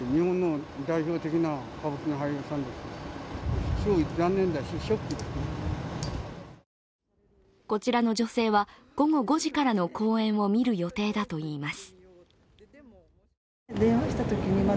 歌舞伎ファンはこちらの女性は、午後５時からの公演を見る予定だといいます。